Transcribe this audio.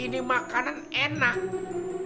ini makanan enak